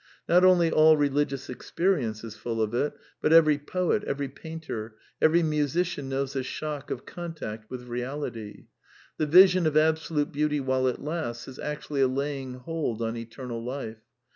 Not only all religious experience is full of it, but every poet, every painter, every musician knows the shock j^, of contact with reality. The vision of absolute beauty^"* "^ while it lasts is actually a laying hold on eternal life.